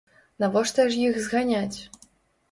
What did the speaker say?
Навошта ж іх зганяць?